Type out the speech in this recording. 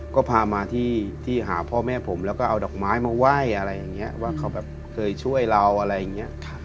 ก็พามาที่หาพ่อแม่ผมแล้วก็เอาดอกไม้มาไหว้อะไรอย่างนี้ว่าเขาแบบเคยช่วยเราอะไรอย่างนี้